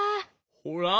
ほら。